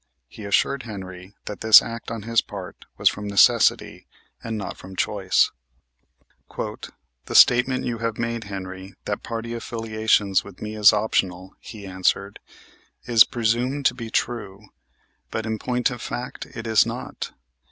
He assured Henry that this act on his part was from necessity and not from choice. "The statement you have made, Henry, that party affiliations with me is optional," he answered, "is presumed to be true; but, in point of fact, it is not.